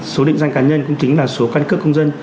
số định danh cá nhân cũng chính là số căn cước công dân